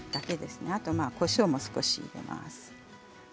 砂糖、こしょうも少し入れます。